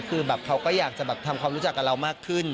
คือแบบเขาก็อยากจะแบบทำความรู้จักกับเรามากขึ้น